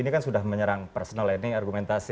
ini kan sudah menyerang personal ini argumentasi